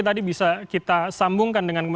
tadi bisa kita sambungkan dengan